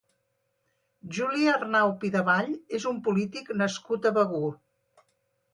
Juli Arnau Pidevall és un polític nascut a Begur.